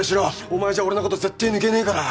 お前じゃ俺のこと絶対抜けねえから！